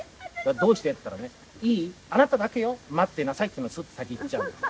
「どうして？」って言ったらね「いい？あなただけよ待っていなさいっていうのにスッと先行っちゃうの」。